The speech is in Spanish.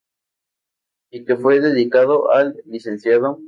Y que fue dedicado al Lic.